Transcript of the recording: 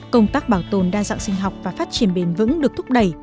công tác bảo tồn đa dạng sinh học và phát triển bền vững được thúc đẩy